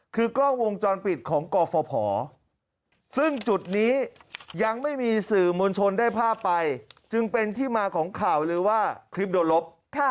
คือกล้องวงจรปิดของกฟภซึ่งจุดนี้ยังไม่มีสื่อมวลชนได้ภาพไปจึงเป็นที่มาของข่าวลือว่าคลิปโดนลบ